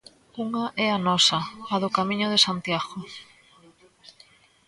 Unha é a nosa, a do Camiño de Santiago.